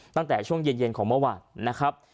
ตั้งแต่ช่วงเย็นของเมื่อวานนะครับ